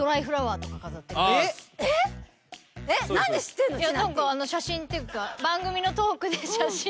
いや何か写真っていうか番組のトークで写真で見ました。